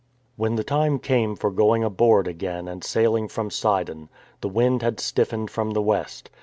When the time came for going aboard again and sailing from Sidon, the wind had stiffened from the west.